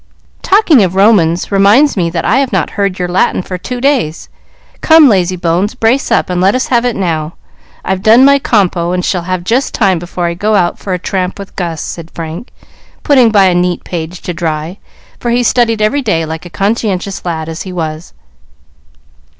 "Talking of Romans reminds me that I have not heard your Latin for two days. Come, lazybones, brace up, and let us have it now. I've done my compo, and shall have just time before I go out for a tramp with Gus," said Frank, putting by a neat page to dry, for he studied every day like a conscientious lad as he was.